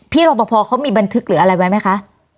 พี่รอบพอเขามีบันทึกหรืออะไรไหมคะ